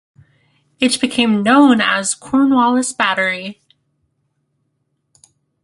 It became known as Cornwallis Battery.